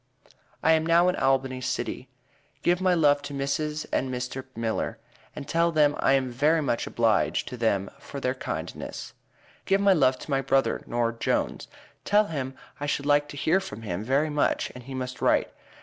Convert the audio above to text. i am now in albany City. give my lov to mrs and mr miller and tel them i am very much a blige to them for there kind ns. give my lov to my Brother nore Jones tel him i should like to here from him very much and he must write.